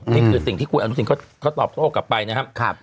นี่คือสิ่งที่คุณอนุสินเขาตอบโต้กลับไปนะครับ